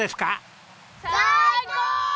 最高！